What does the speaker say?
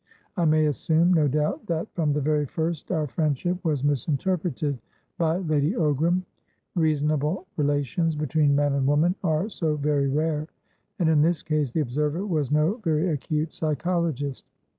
I may assume, no doubt, that, from the very first, our friendship was misinterpreted by Lady Ogram; reasonable relations between man and woman are so very rare, and, in this case, the observer was no very acute psychologist.